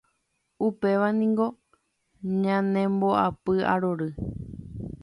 Upévaniko ñanembopy'arory